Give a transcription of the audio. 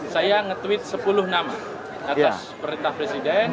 saya nge tweet sepuluh nama atas perintah presiden